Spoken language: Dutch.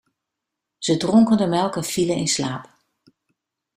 Ze dronken de melk en vielen in slaap.